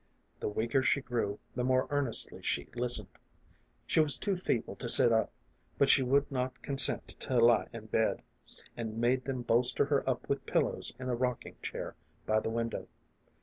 The weaker she grew, the more earnestly she listened. She was too feeble to sit up, but she would not consent to lie in bed, and made them bolster her up with pillows in a rock ing chair by the window.